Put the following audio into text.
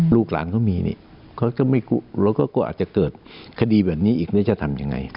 ลูกหลานเขามีนี่เราก็กลัวอาจจะเกิดคดีแบบนี้อีกแล้วจะทำยังไง